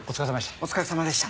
お疲れさまでした。